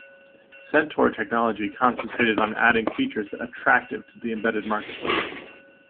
Centaur Technology concentrated on adding features attractive to the embedded marketplace.